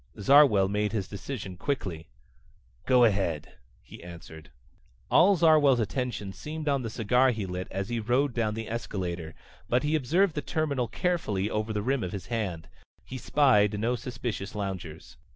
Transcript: Zarwell made his decision quickly. "Go ahead," he answered. All Zarwell's attention seemed on the cigar he lit as he rode down the escalator, but he surveyed the terminal carefully over the rim of his hand. He spied no suspicious loungers.